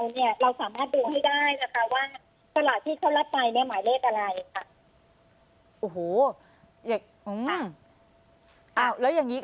เนี่ยเราสามารถดูให้ได้นะคะว่าสลากที่เขารับไปเนี่ยหมายเลขอะไรค่ะ